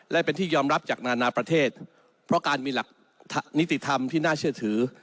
และเป็นที่ยอมรับจากนานาประเทศเพราะการมีหลักนิติธรรมที่น่าเชื่อถือ